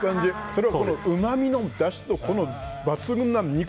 それがうまみのだしと、抜群の肉。